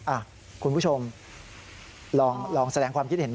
คุณผู้ชมลองแสดงความคิดเห็น